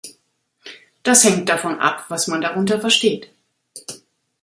Das hängt davon ab, was man darunter versteht.